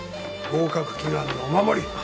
合格祈願のお守り。